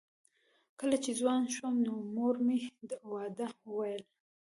کله چې ځوان شوم نو مور مې د واده وویل